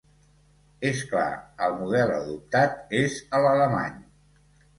És clar: el model adoptat és l’alemany.